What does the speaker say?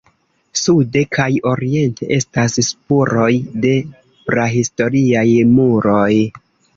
Sude kaj oriente estas spuroj de prahistoriaj muroj.